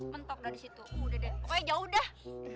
mentok dari situ udah deh pokoknya jauh dah